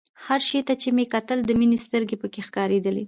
هر شي ته چې مې کتل د مينې سترګې پکښې ښکارېدې.